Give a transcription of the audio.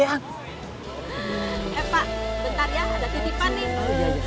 eh pak bentar ya ada titipan nih